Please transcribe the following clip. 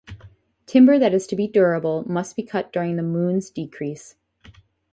Timber that is to be durable must be cut during the moon's decrease.